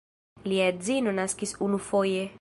Lia edzino naskis unufoje.